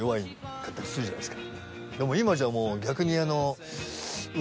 でも今じゃもう逆にあの。